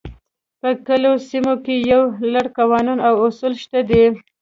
په کلیوالي سیمو کې یو لړ قوانین او اصول شته دي.